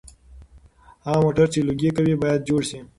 هغه موټر چې لوګي کوي باید جوړ شي.